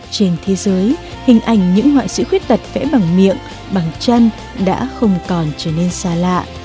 trên thế giới hình ảnh những họa sĩ khuyết tật vẽ bằng miệng bằng chân đã không còn trở nên xa lạ